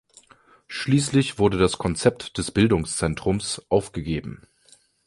Schließlich wurde das Konzept des „Bildungszentrums“ aufgegeben.